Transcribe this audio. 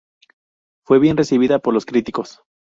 Fue bien recibida por los críticos.